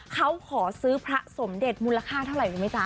เขาขอซื้อพระสมเด็จมูลค่าเท่าไหร่รู้ไหมจ๊